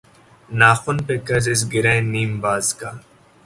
ناخن پہ قرض اس گرہ نیم باز کا